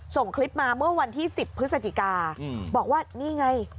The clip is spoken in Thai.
ส่งคลิปมาเมื่อวันที่๑๐พฤศจิกาบอกว่านี่ไง